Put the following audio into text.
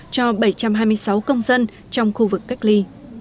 cho bảy trăm hai mươi sáu công dân trong khu vực cách ly